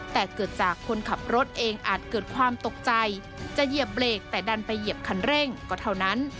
แต่เกิดจากคนขับรถเองอาจเกิดความตกใจจะเหยียบเบรกแต่ดันไปเหยียบคันเร่งก็เท่านั้น